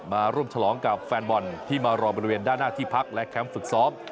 มาร่วมฉลองกับแฟนบอลที่มารอบริเวณด้านหน้าที่พักและแคมป์ฝึกซ้อม